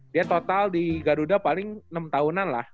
dia total di garuda paling enam tahunan lah